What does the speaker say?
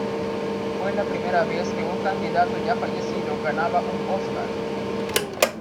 Fue la primera vez que un candidato ya fallecido ganaba un Óscar.